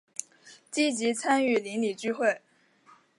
积极参与邻里聚会